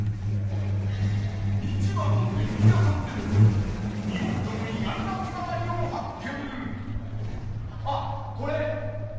市場の電気屋さんでも日本との意外なつながりを発見。